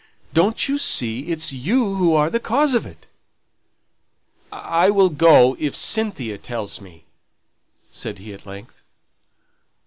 Don't you see, it's you who are the cause of it?" "I will go if Cynthia tells me," said he at length.